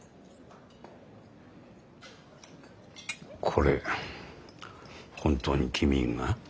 これ本当に君が？